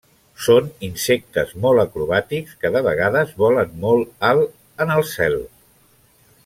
Són insectes molt acrobàtics que de vegades volen molt alt en el cel.